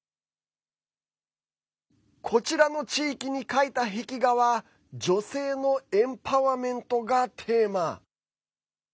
こちらの地域に描いた壁画は女性のエンパワメントがテーマ。